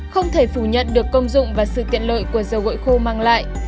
không thể phủ nhận được công dụng và sự tiện lợi của dầu gội khô mang lại